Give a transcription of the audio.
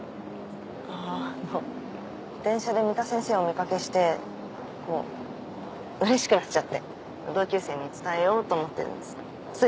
あの電車で三田先生をお見かけしてこううれしくなっちゃって同級生に伝えようと思ってつい。